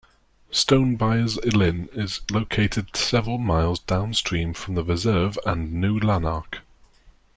Stonebyres Linn is located several miles downstream from the reserve and New Lanark.